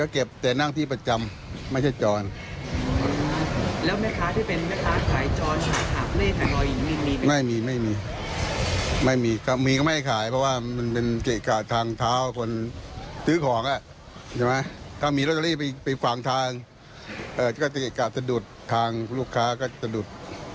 ก็จะดูดทางลูกค้าก็จะดูด